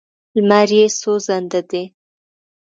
لمر یې سوځنده دی.